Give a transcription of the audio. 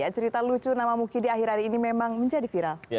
cerita lucu nama mukidi akhir akhir ini memang menjadi viral